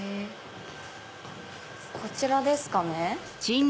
こちらですかね。